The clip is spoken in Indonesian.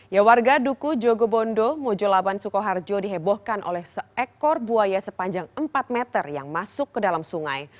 ya warga duku jogobondo mojolaban sukoharjo dihebohkan oleh seekor buaya sepanjang empat meter yang masuk ke dalam sungai